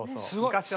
すごい！